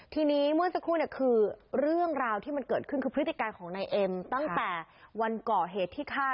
ทีนี้มึงจะพูดนี่คือเรื่องราวที่เกิดขึ้นคือพฤติการของน้ายเอ็มตั้งแต่วันเกาะเหตุที่ฆ่า